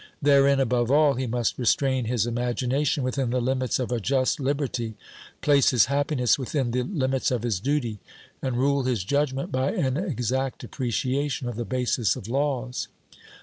Therein, above all, he must restrain his imagination within the limits of a just liberty, place his happiness within the limits of his duty, and rule his judgment by an exact appreciation of the basis of laws.